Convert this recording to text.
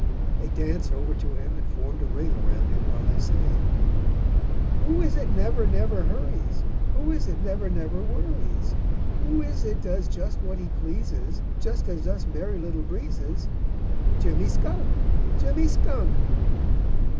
They danced over to him and formed a ring around him while they sang: "Who is it never, never hurries? Who is it never, never worries? Who is it does just what he pleases, Just like us Merry Little Breezes? Jimmy Skunk! Jimmy Skunk!"